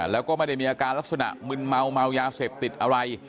แล้วก็ไม่ได้มีอาการลักษณะมึนเมาเมายาเสพติดอะไร